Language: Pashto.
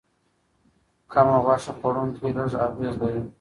کم غوښه خوړونکي لږ اغېز لري.